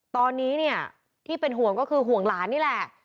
ตอนนี้เนี่ยที่เป็นห่วงก็คือห่วงหลานนี่แหละ